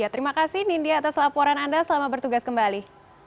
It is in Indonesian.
terima kasih nindya atas laporan anda selamat bertugas kembali